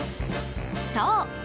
そう。